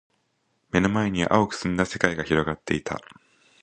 目の前には蒼く澄んだ世界が広がっていた。